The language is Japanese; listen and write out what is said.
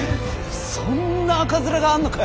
そんな赤面があんのかよ！？